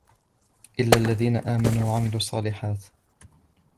إِلَّا الَّذِينَ آمَنُوا وَعَمِلُوا الصَّالِحَاتِ